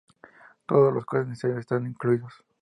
Todos los códecs necesarios están incluidos.